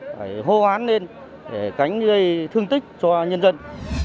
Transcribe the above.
phải hô án lên để cánh gây thương tích cho nhân dân